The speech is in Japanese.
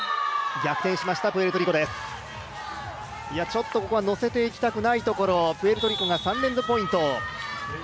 ちょっと、ここは乗せていきたくないところ、プエルトリコが３連続ポイント。